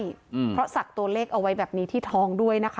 อืมเพราะศักดิ์ตัวเลขเอาไว้แบบนี้ที่ท้องด้วยนะคะ